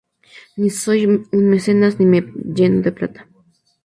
Ni soy un mecenas ni me lleno de plata".